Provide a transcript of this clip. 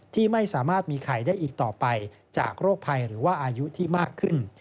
ที่ไม่สามารถมีไข่ได้อีกต่อไปจากโรคภัยหรือว่าอายุที่มากขึ้น